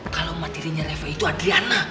kalau mati rinnya reva itu adriana